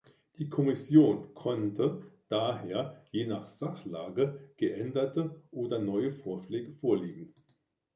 Die Kommission könnte daher, je nach Sachlage, geänderte oder neue Vorschläge vorlegen.